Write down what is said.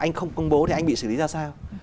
anh không công bố thì anh bị xử lý ra sao